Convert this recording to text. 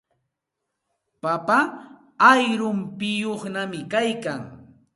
Papa ayrumpiyuqñami kaykan.